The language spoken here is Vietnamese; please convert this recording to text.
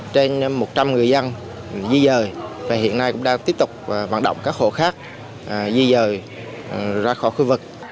trên một trăm linh người dân di dời và hiện nay cũng đang tiếp tục vận động các hộ khác di dời ra khỏi khu vực